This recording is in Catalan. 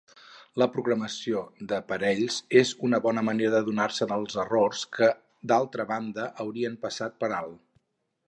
La programació de parells és una bona manera d'adonar-se els errors que d'altra banda hauríeu passat per alt.